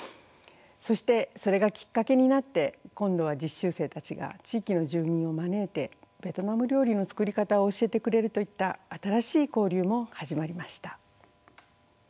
そしてそれがきっかけになって今度は実習生たちが地域の住民を招いてベトナム料理の作り方を教えてくれるといった新しい交流も始まりました。